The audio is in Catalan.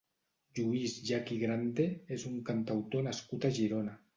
Lluís Llach i Grande és un cantautor nascut a Girona.